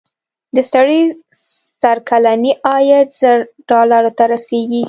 د سړي سر کلنی عاید زر ډالرو ته رسېږي.